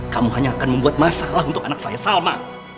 kamu hanya akan membuat masalah untuk anak saya salma